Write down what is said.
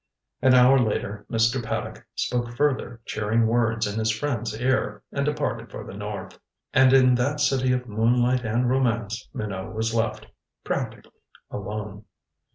An hour later Mr. Paddock spoke further cheering words in his friend's ear, and departed for the North. And in that city of moonlight and romance Minot was left (practically) alone.